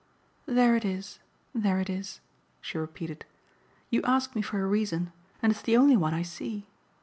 "There it is, there it is," she repeated. "You ask me for a reason, and it's the only one I see.